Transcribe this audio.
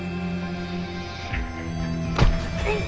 うっ！？